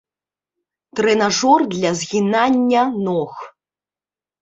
Трэнажор для згінання ног.